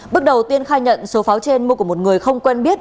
bước đầu tiên khai nhận số pháo trên mua của một người không quen biết